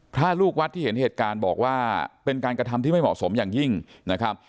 ลูกวัดที่เห็นเหตุการณ์บอกว่าเป็นการกระทำที่ไม่เหมาะสมอย่างยิ่งนะครับ